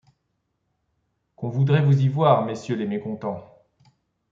Qu'on voudrait vous y voir, messieurs les mécontents